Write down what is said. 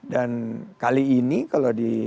dan kali ini kalau di